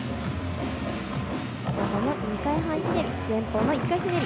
後方の２回半ひねり、前方の１回ひねり。